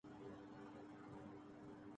انتظامی مشینری گو زنگ آلود ہو چکی ہے۔